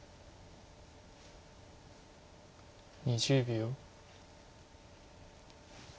２０秒。